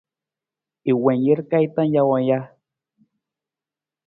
I wiin jir ka ji tang jawang ja?